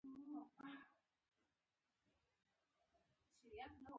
پر ناموسونو له یرغلونو او شورونو ډک و.